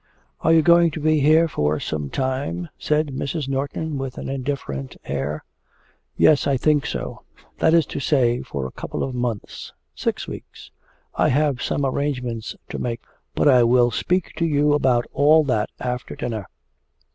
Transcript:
'Are you going to be here for some time?' said Mrs. Norton with an indifferent air. 'Yes, I think so; that is to say, for a couple of months six weeks. I have some arrangements to make; but I will speak to you about all that after dinner.'